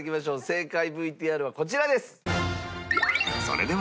正解ＶＴＲはこちらです！